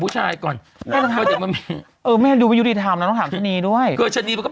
ชันนี้เข็งอยู่แล้วลูกฉันก็ต้องถามผู้ชายก่อน